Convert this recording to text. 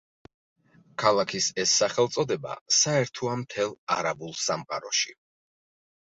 ქალაქის ეს სახელწოდება საერთოა მთელ არაბულ სამყაროში.